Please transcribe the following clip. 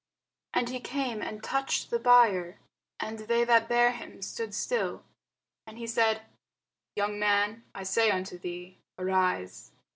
And he came and touched the bier: and they that bare him stood still. And he said, Young man, I say unto thee, Arise.